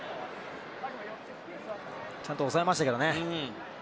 ちゃんと抑えましたけどね。